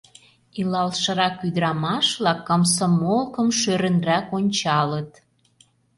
Илалшырак ӱдырамаш-влак комсомолкым шӧрынрак ончалыт.